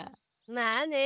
まあね。